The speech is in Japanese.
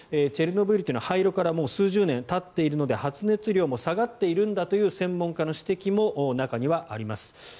チェルノブイリというのは廃炉から数十年たっているので発熱量も下がっているんだという専門家の指摘も中にはあります。